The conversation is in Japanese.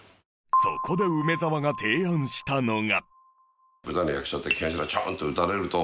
そこで梅沢が提案したのが。